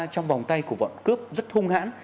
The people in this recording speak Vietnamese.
trong vòng tay của vận cướp rất hung hãn